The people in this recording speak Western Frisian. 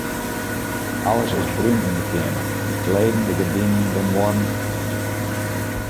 Alles is brún yn 'e keamer: de kleden, de gerdinen, de muorren.